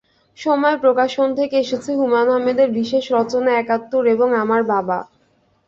সময় প্রকাশন থেকে এসেছে হুমায়ূন আহমেদের বিশেষ রচনা একাত্তর এবং আমার বাবা।